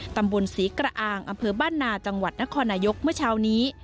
ตำบลศรีกระอางอำเภอบ้านนาจังหวัดนครนายกเมื่อเช้านี้